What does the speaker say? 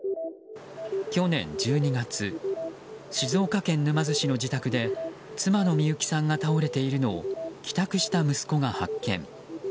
去年１２月静岡県沼津市の自宅で妻のみゆきさんが倒れているのを帰宅した息子が発見。